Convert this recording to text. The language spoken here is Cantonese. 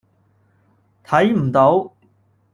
睇唔到